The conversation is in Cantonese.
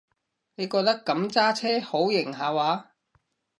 你覺得噉揸車好型下話？